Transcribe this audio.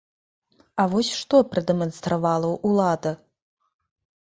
А вось што прадэманстравала ўлада?